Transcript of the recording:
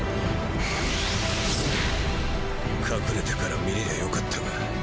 隠れてから視れりゃよかったが。